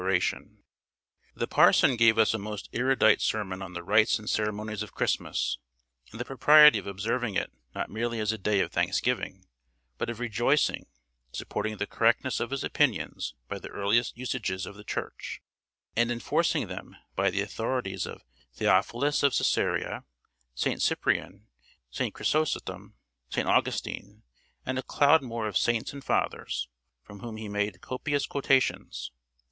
The parson gave us a most erudite sermon on the rites and ceremonies of Christmas, and the propriety of observing it not merely as a day of thanksgiving, but of rejoicing; supporting the correctness of his opinions by the earliest usages of the Church, and enforcing them by the authorities of Theophilus of Cesarea, St. Cyprian, St. Chrysostom, St. Augustine, and a cloud more of Saints and Fathers, from whom he made copious quotations.